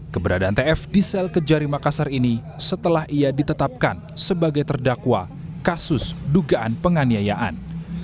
keberadaan tf di sel kejari makassar ini setelah ia ditetapkan sebagai terdakwa kasus dugaan penganiayaan